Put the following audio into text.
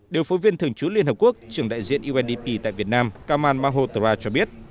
điều phối viên thường trú liên hợp quốc trường đại diện undp tại việt nam kaman mahotra cho biết